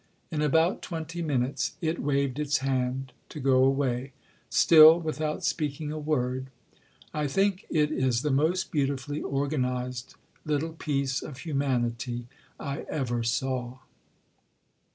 In about twenty minutes, it waved its hand to go away, still without speaking a word. I think it is the most beautifully organized little piece of humanity I ever saw."